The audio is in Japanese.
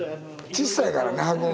ちっさいからな箱が。